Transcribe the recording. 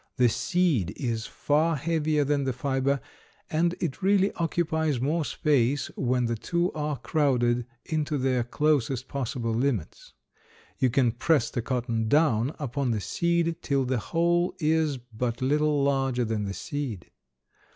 The seed is far heavier than the fiber, and it really occupies more space when the two are crowded into their closest possible limits. You can press the cotton down upon the seed till the whole is but little larger than the seed.